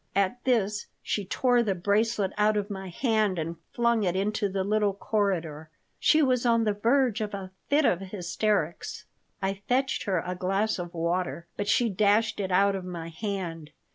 At this she tore the bracelet out of my hand and flung it into the little corridor. She was on the verge of a fit of hysterics. I fetched her a glass of water, but she dashed it out of my hand.